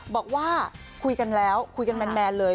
บอกว่าคุยกันแล้วคุยกันแมนเลย